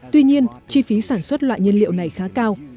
tuy nhiên chi phí sản xuất loại nhiên liệu này khá cao